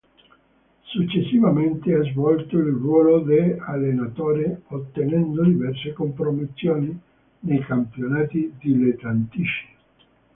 Successivamente ha svolto il ruolo di allenatore, ottenendo diverse promozioni nei campionati dilettantistici.